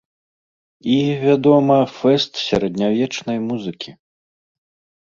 І, вядома, фэст сярэднявечнай музыкі.